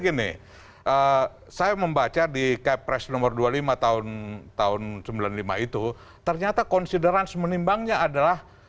gini saya membaca di kepres nomor dua puluh lima tahun sembilan puluh lima itu ternyata considerance menimbangnya adalah